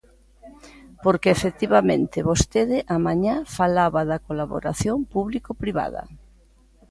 Porque, efectivamente, vostede á mañá falaba da colaboración público-privada.